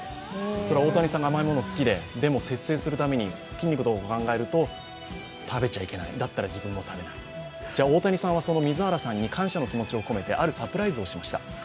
それは大谷さんが甘い物が好きで、でも節制するために筋肉とか考えると食べちゃいけない、だったら自分も食べない、大谷さんは水原さんに感謝の気持ちを込めて、あるサプライズをしました。